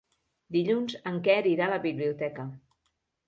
Dilluns en Quer irà a la biblioteca.